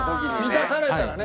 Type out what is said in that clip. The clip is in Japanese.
満たされたらね。